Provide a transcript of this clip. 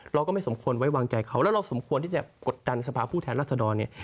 เราก็ไม่สมควรไว้วางใจเขาแล้วเราสมควรที่จะกดดันสภาพผู้แทนรัศดรเนี่ย